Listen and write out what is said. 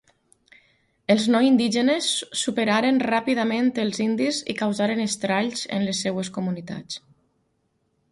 Els no-indígenes superaren ràpidament els indis i causaren estralls en les seves comunitats.